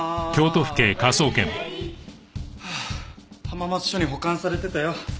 浜松署に保管されてたよ。